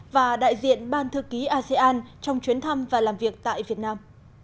và đại diện ban thư ký asean trong chuyến thăm và làm việc tại việt nam